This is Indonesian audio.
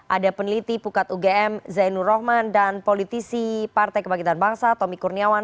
ada peneliti pukat ugm zainul rohman dan politisi partai kebangkitan bangsa tommy kurniawan